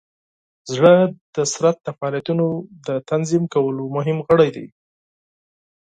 زړه د بدن د فعالیتونو د تنظیم کولو مهم غړی دی.